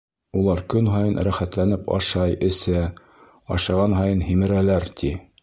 Улар көн һайын рәхәтләнеп ашай-эсә, ашаған һайын һимерәләр, ти.